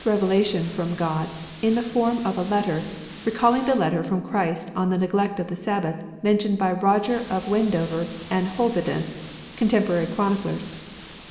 revelation from God in the form of a letter, recalling the letter from Christ on the neglect of the Sabbath men tioned by Roger of Wendover and Hove den, contemporary chroniclers.